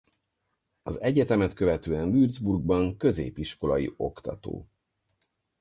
Az egyetemet követően Würzburgban középiskolai oktató.